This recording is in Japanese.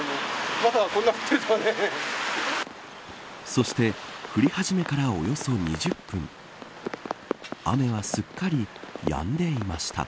そして降り始めからおよそ２０分雨は、すっかりやんでいました。